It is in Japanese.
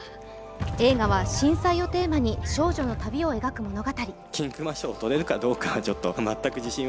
映画は、震災をテーマに少女の旅を描く物語。